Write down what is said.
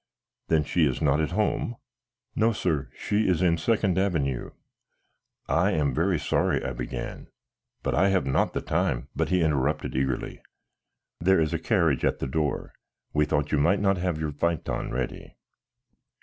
"Then she is not at home?" "No, sir, she is in Second Avenue." "I am very sorry," I began, "but I have not the time " But he interrupted eagerly: "There is a carriage at the door; we thought you might not have your phaeton ready."